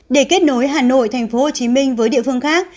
để kết nối hà nội tp hcm với địa phương khác